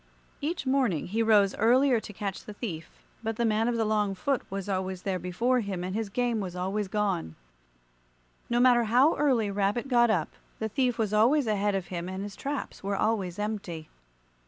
Each morning he rose earlier to catch the thief, but the man of the long foot was always there before him, and his game was always gone. No matter how early Rabbit got up, the thief was always ahead of him and his traps were always empty.